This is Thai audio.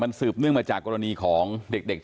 มันสูดมาจากกรณีของเด็ก